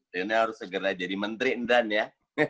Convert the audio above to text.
dhani harus segera jadi menteri ndhan ya